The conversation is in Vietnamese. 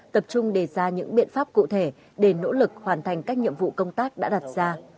tập trung đề ra những biện pháp cụ thể để nỗ lực hoàn thành các nhiệm vụ công tác đã đặt ra